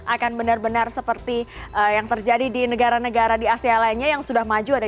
akan benar benar seperti yang terjadi di negara negara di asia lainnya yang sudah maju ada